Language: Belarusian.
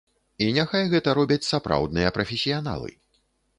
І няхай гэта робяць сапраўдныя прафесіяналы.